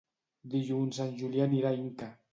Dilluns en Julià anirà a Inca.